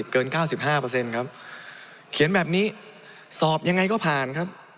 เกิน๙๕ครับเขียนแบบนี้สอบยังไงก็ผ่านครับ